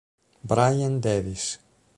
Brian Davis